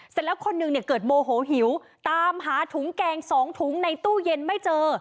เสร็จแล้วคนหนึ่งเนี่ยเกิดโมโหหิวตามหาถุงแกง๒ถุงในตู้เย็นไม่เจอ